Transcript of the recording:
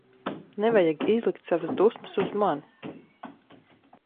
Nevajag izlikt savas dusmas uz mani.